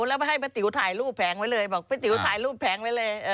แล้วไปให้ป้าติ๋วถ่ายรูปแผงไว้เลยบอกป้าติ๋วถ่ายรูปแผงไว้เลย